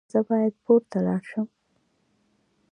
ایا زه باید پورته لاړ شم؟